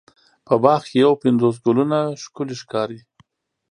په باغ کې یو پنځوس ګلونه ښکلې ښکاري.